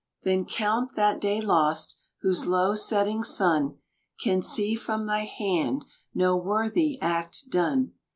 "Then count that day lost, whose low setting sun Can see from thy hand no worthy act done."